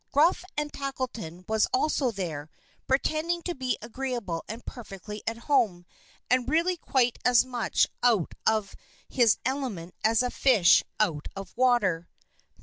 Gruff and Tackleton was also there, pretending to be agreeable and perfectly at home, and really quite as much out of his element as a fish out of water.